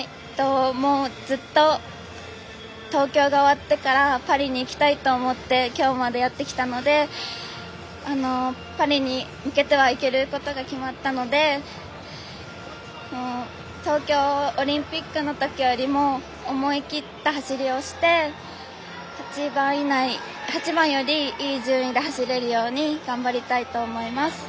ずっと東京が終わってからパリに行きたいと思って今日までやってきたのでパリに行けることが決まったので東京オリンピックの時よりも思い切った走りをして８番よりいい順位で走れるように頑張りたいと思います。